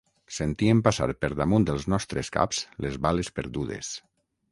Sentíem passar per damunt els nostres caps les bales perdudes.